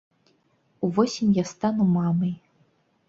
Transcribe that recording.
Увосень я стану мамай!